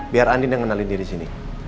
biar andin yang kenalin dia disini